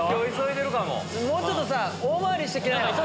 もうちょっと大回りして来なよ。